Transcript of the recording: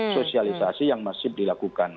sosialisasi yang masih dilakukan